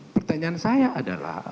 pertanyaan saya adalah